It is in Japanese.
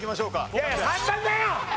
いやいや３番だよ！